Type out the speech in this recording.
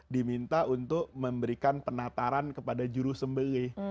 diminta untuk memberikan penataran kepada juru sembelih